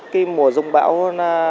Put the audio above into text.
cái mùa dông bão